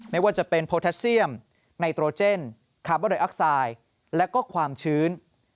ไม่ว่าจะเป็นโพแทสเซียมไนโตรเจนคาร์บอนไดอักไซด์และก็ความชื้น